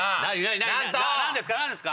何ですか？